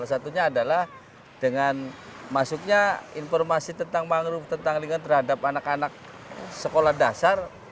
salah satunya adalah dengan masuknya informasi tentang mangrove tentang lingkungan terhadap anak anak sekolah dasar